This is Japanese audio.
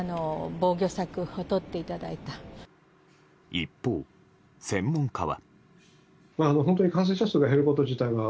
一方、専門家は。